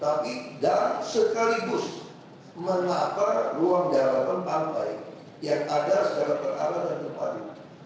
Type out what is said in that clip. tapi dan sekaligus menapar ruang daerah dan pantai yang ada secara teradat dan terpadu